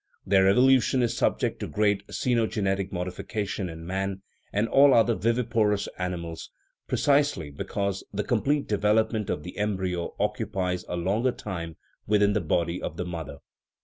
Their evolution is subject to great cenogenetic modification in man and all other viviporous animals, precisely because the com plete development of the embryo occupies a longer time within the body of the mother.